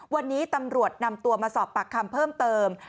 วันนี้ตำรวจนำตัวมาสอบปากคำเพิ่มเติม